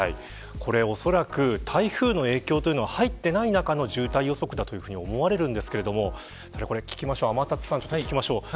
おそらく台風の影響というのは入っていない中の渋滞予測だというふうに思われますが天達さんに聞きましょう。